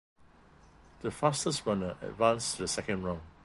The fastest runner advanced to the second round.